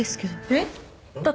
えっ？